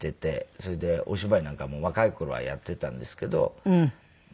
それでお芝居なんかも若い頃はやってたんですけど。